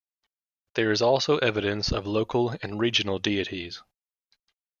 There is also evidence of local and regional deities.